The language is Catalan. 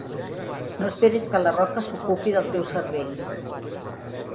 No esperis que "La Roca" s'ocupi del teu cervell.